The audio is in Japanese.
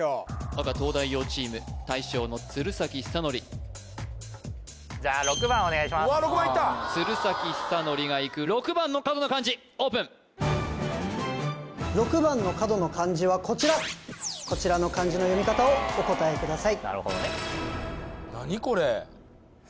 赤東大王チーム大将の鶴崎修功じゃあ鶴崎修功がいく６番の角の漢字オープン６番の角の漢字はこちらこちらの漢字の読み方をお答えくださいなるほどね何これ？